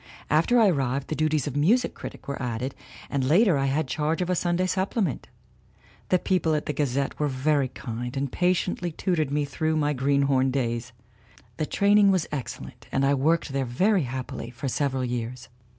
After I arrived the duties of music critic were added, and later I had charge of a Sunday supplement. The people on the Gazette were very kind and patiently tutored me through my green horn days. The training was excellent and I worked there very happily for several years.